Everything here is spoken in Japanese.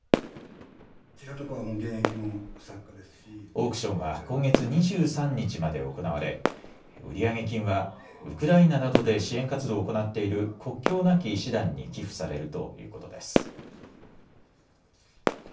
オークションは今月２３日まで行われ売上金はウクライナなどで支援活動を行っている国境なき医師団に寄付されるということです。